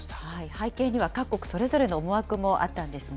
背景には、各国それぞれの思惑もあったんですね。